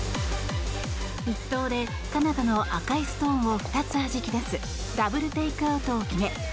１投でカナダの赤いストーンを２つはじき出すダブル・テイクアウトを決め